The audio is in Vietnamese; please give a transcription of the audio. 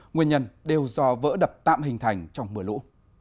nguyên nhân đều do vỡ đập tạm hình thành trong mưa lũ